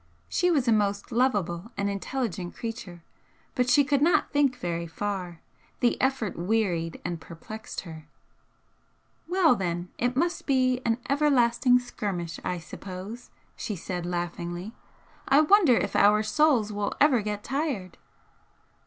She was a most lovable and intelligent creature, but she could not think very far, the effort wearied and perplexed her. "Well, then, it must be an everlasting skirmish, I suppose!" she said, laughingly, "I wonder if our souls will ever get tired!"